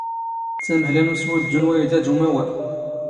ⵜⴰⵎⵀⵍⴰ ⵏ ⵓⵙⵡⵓⴷⴷⵓ ⵏ ⵡⴰⵢⴷⴰ ⴷ ⵓⵎⴰⵡⴰ.